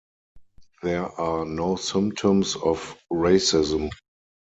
There are no symptoms of racism.